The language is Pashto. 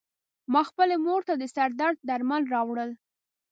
ما خپلې مور ته د سر درد درمل راوړل .